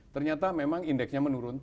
ternyata memang indeksnya menurun